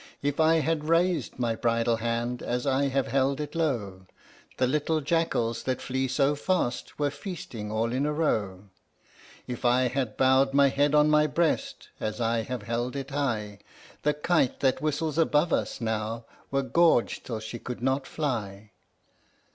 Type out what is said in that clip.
"If I had raised my bridle hand, as I have held it low, The little jackals that flee so fast were feasting all in a row: If I had bowed my head on my breast, as I have held it high, The kite that whistles above us now were gorged till she could not fly."